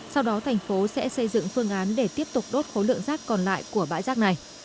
sau đó thành phố sẽ xây dựng phương án để tiếp tục đốt khối lượng rác còn lại của bãi rác này